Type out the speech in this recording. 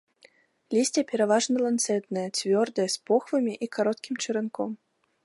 Лісце пераважна ланцэтнае, цвёрдае, з похвамі і кароткім чаранком.